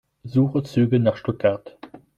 Suche Züge nach Stuttgart.